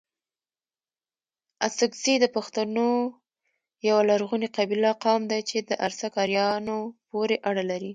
اڅکزي دپښتونو يٶه لرغوني قبيله، قوم دئ چي د ارڅک اريانو پوري اړه لري